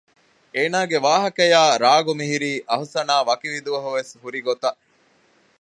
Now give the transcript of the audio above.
އޭނާގެ ވާހަކަޔާއި ރާގު މިހިރީ އަހުސަނާ ވަކިވި ދުވަހު ވެސް ހުރި ގޮތަށް